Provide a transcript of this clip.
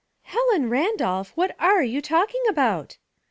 " Helen Randolph, what are you talking about?"